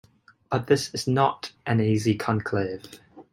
But this was not an easy conclave.